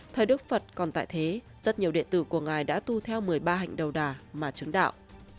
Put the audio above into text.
thời đức phật còn tại thế rất nhiều điện tử của ngài đã tu theo một mươi ba hạnh đầu đà mà trứng đạo